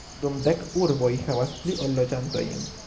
Nur dek urboj havas pli ol loĝantojn.